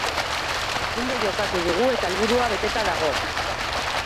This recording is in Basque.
Ondo jokatu dugu eta helburua beteta dago.